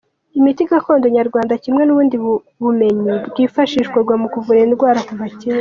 Imiti gakondo nyarwanda kimwe n’ubundi bumenyi bwifashishwaga mu kuvura indwara kuva kera.